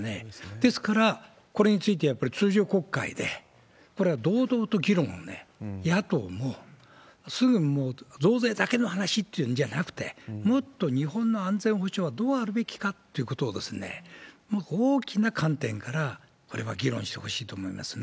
ですから、これについてやっぱり通常国会で、これは堂々と議論をね、野党の、すぐもう増税だけの話っていうんじゃなくて、もっと日本の安全保障はどうあるべきかっていうことを、もっと大きな観点から、これは議論してほしいと思いますね。